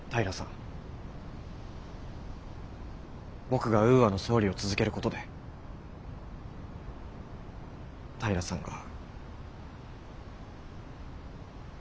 僕がウーアの総理を続けることで平さんが。